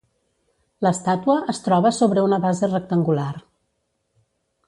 L'estàtua es troba sobre una base rectangular.